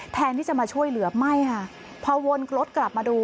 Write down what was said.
แทนที่จะมาช่วยเหลือไม่ค่ะพอวนรถกลับมาดู